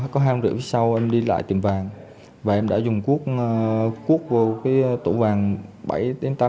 có hàng rượu sau em đi lại tiệm vàng và em đã dùng cuốc cuốc vô cái tổng vàng bảy tám cái là